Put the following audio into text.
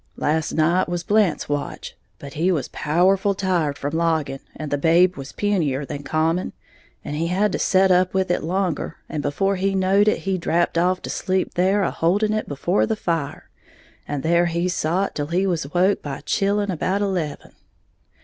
Last night was Blant's watch; but he was powerful tired from logging, and the babe was punier than common, and he had to set up with it longer, and before he knowed it he drapped off to sleep there a holding it before the fire; and there he sot till he was woke by chilling about eleven.